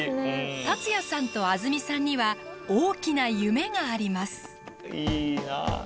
達也さんとあづみさんには大きな夢があります。